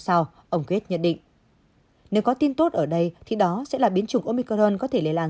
sau ông gate nhận định nếu có tin tốt ở đây thì đó sẽ là biến chủng omicron có thể lây lan